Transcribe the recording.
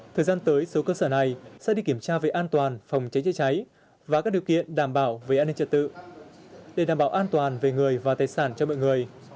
thời gian tới số cơ sở này sẽ đi kiểm tra về an toàn phòng cháy chữa cháy và các điều kiện đảm bảo về an ninh trật tự để đảm bảo an toàn về người và tài sản cho mọi người